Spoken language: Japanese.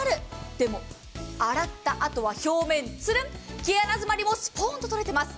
でも洗ったあとは表面つるん、毛穴詰まりもスポンと取れてます。